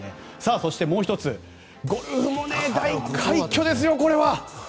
そして、もう１つゴルフも大快挙ですよ、これは。